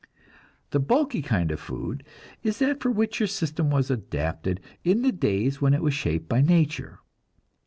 The bulky kind of food is that for which your system was adapted in the days when it was shaped by nature.